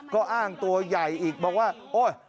ก็อ้างตัวใหญ่อีกบอกว่าโอ๊ย